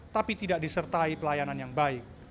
tapi tidak disertai pelayanan yang baik